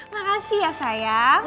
makasih ya sayang